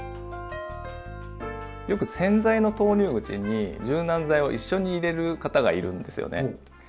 よく洗剤の投入口に柔軟剤を一緒に入れる方がいるんですよね。